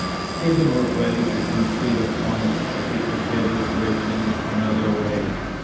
Stephen was ready to concede a point, if he could get his wish in another way.